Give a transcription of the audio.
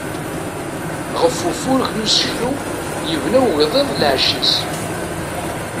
Ɣef ufurek n useklu, yebna ugḍiḍ lɛecc-is.